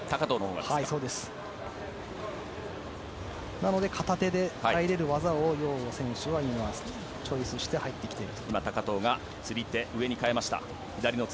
なので片手で入れる技をヨウ選手はチョイスして入ってきている。